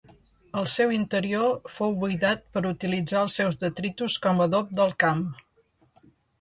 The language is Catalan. El seu interior fou buidat per utilitzar els seus detritus com a adob del camp.